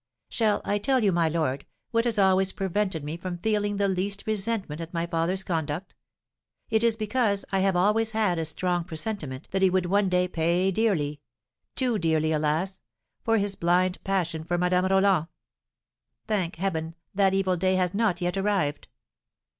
"Shall I tell you, my lord, what has always prevented me from feeling the least resentment at my father's conduct? It is because I have always had a strong presentiment that he would one day pay dearly too dearly, alas! for his blind passion for Madame Roland. Thank Heaven, that evil day has not yet arrived!"